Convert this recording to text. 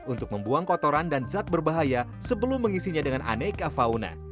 untuk membuang kotoran dan zat berbahaya sebelum mengisinya dengan aneka fauna